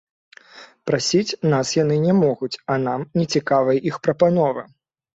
Прасіць нас яны не могуць, а нам нецікавыя іх прапановы.